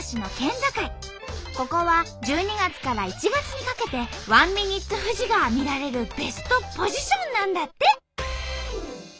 ここは１２月から１月にかけてワンミニッツ富士が見られるベストポジションなんだって。